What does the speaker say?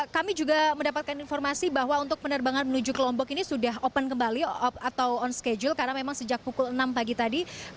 kami juga mendapatkan informasi bahwa untuk penerbangan menuju kelompok ini sudah open kembali atau on schedule karena memang sejak pukul enam pagi tadi bandara lombok juga sudah mulai dibuka